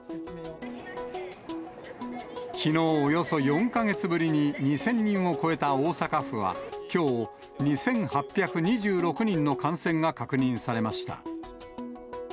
きのう、およそ４か月ぶりに２０００人を超えた大阪府は、きょう２８２６人の感染が確認されました。